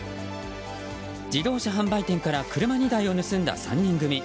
自動車販売店から車２台を盗んだ３人組。